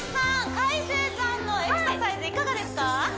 海青さんのエクササイズいかがですか？